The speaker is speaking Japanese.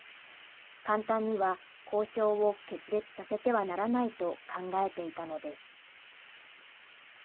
簡単には交渉を決裂させてはならないと考えていたのです。